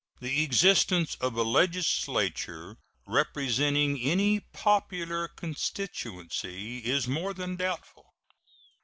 The existence of a legislature representing any popular constituency is more than doubtful.